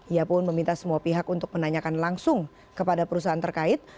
ia pun meminta semua pihak untuk menanyakan langsung kepada perusahaan terkait